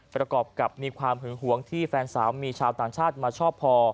ประกอบกับมีความหึงหวงที่แฟนสาวมีชาวต่างชาติมาชอบพอ